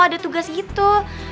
ada tugas gitu